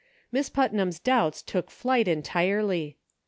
Miss Putnam's doubts took flight entirely.